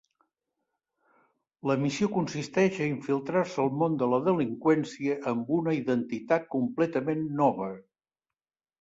La missió consisteix a infiltrar-se al món de la delinqüència amb una identitat completament nova.